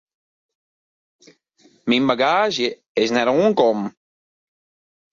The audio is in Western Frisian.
Myn bagaazje is net oankommen.